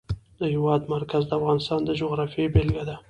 د هېواد مرکز د افغانستان د جغرافیې بېلګه ده.